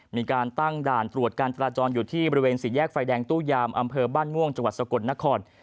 มีการตั้งด่านตรวจการจราจรอยู่ที่บริเวณสี่แยกไฟแดงตู้ยามอำเภอบ้านม่วงจังหวัดสกลนคร